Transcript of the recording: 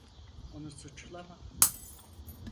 Onu suçlama.